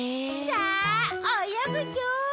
さあおよぐぞ！